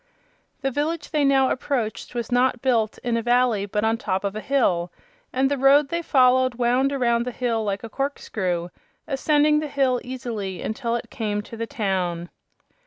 '" The village they now approached was not built in a valley, but on top of a hill, and the road they followed wound around the hill, like a corkscrew, ascending the hill easily until it came to the town.